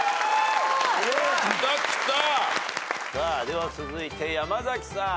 では続いて山崎さん。